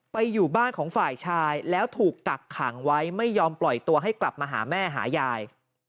อยู่บ้านของฝ่ายชายแล้วถูกกักขังไว้ไม่ยอมปล่อยตัวให้กลับมาหาแม่หายาย